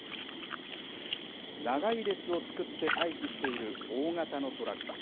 長い列を作って待機している大型のトラック。